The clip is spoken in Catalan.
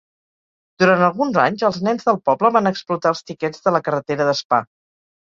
Durant alguns anys els nens del poble van explotar els tiquets de la carretera de Spa.